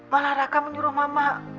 malah raka menyuruh mama